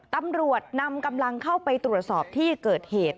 ตำรวจนำกำลังเข้าไปตรวจสอบที่เกิดเหตุ